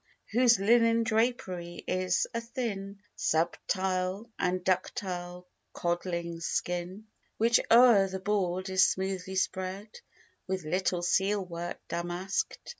Whose linen drapery is a thin, Subtile, and ductile codling's skin; Which o'er the board is smoothly spread With little seal work damasked.